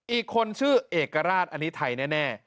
อีกคนชื่อเอกราชอันนี้ไทยแน่